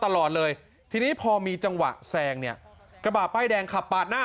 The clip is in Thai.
ตลอดเลยทีนี้พอมีจังหวะแซงเนี่ยกระบะป้ายแดงขับปาดหน้า